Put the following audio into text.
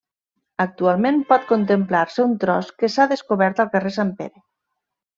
Actualment pot contemplar-se un tros que s'ha descobert al carrer Sant Pere.